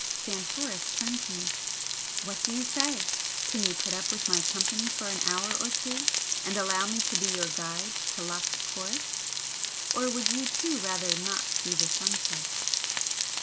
Santoris turned to me. "What do you say? Can you put up with my company for an hour or two and allow me to be your guide to Loch Coruisk? Or would you, too, rather not see the sunset?"